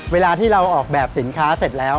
เวลาที่เราออกแบบสินค้าเสร็จแล้ว